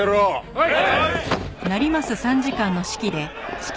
はい！